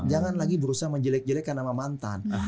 jangan lagi berusaha menjelek jelekkan nama mantan